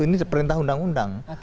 ini perintah undang undang